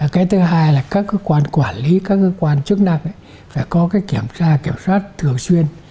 cái thứ hai là các cơ quan quản lý các cơ quan chức năng phải có kiểm soát thường xuyên